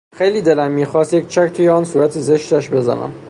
خیلی دلم میخواست یک چک توی آن صورت زشتش بزنم!